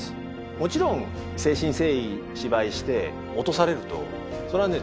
もちろん誠心誠意芝居して落とされるとそれはね